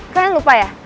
kalian lupa ya